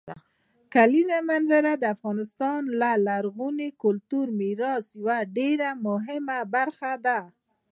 د کلیزو منظره د افغانستان د لرغوني کلتوري میراث یوه ډېره مهمه برخه ده.